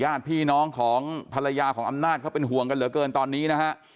ญาติพี่น้องของภรรยาของอำนาจเขาเป็นห่วงกันเหลือเกินตอนนี้นะฮะ